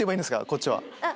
こっちは。